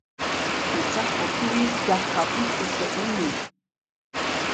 Teʼ tsajkokyuʼyis yajkaʼu ʼijtujse ʼuneʼ.